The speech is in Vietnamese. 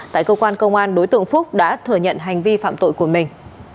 tại cơ quan công an đối tượng phúc đã thừa nhận hành vi phạm tội của mình